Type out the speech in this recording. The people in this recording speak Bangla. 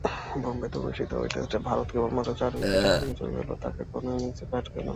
বোম্বেতে অনুষ্ঠিত ঐ টেস্টে ভারত কেবলমাত্র চার উইকেট হারিয়ে জয়ী হলেও তাকে কোন ইনিংসেই ব্যাট হাতে মাঠে নামতে হয়নি।